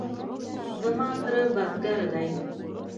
زما تره بزگر دی.